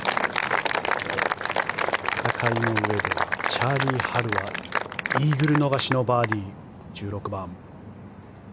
戦いのうえでチャーリー・ハルはイーグル逃しのバーディー１６番。